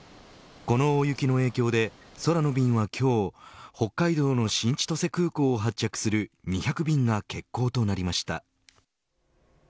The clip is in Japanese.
この大雪の影響で空の便は今日北海道の新千歳空港を発着する２００便が欠航となりました。